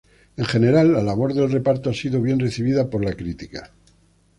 En general, la labor del reparto ha sido bien recibida por la crítica.